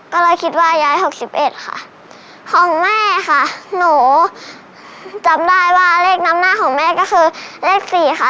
ก็เลยคิดว่ายายหกสิบเอ็ดค่ะของแม่ค่ะหนูจำได้ว่าเลขนำหน้าของแม่ก็คือเลขสี่ค่ะ